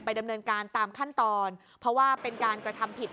ดำเนินการตามขั้นตอนเพราะว่าเป็นการกระทำผิด